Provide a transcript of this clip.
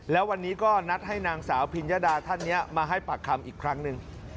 แล้ววันนี้ก็นัดให้นางสาวพิญญาดาท่านนี้มาให้ปากคำอีกครั้งหนึ่ง